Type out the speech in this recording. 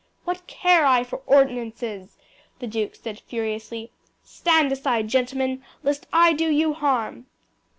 "What care I for ordinances!" the duke said furiously. "Stand aside, gentlemen, lest I do you harm!"